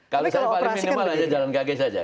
kalau saya paling minimal aja jalan kaki saja